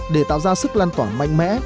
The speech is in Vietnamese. để tạo ra sức lan tỏa mạnh mẽ